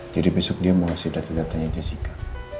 jadi besok dia mau ngasih data datanya jessica